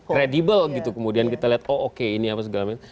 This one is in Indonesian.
kredibel gitu kemudian kita lihat oh oke ini apa segala macam